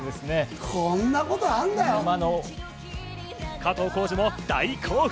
加藤浩次も大興奮。